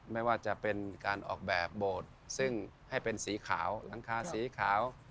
ไม่ว่าจะเป็นการออกแบบโบสถ์ซึ่งให้เป็นสีขาวหลังคาสีขาว